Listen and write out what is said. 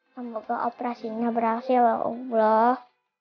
semoga operasinya berhasil sama allah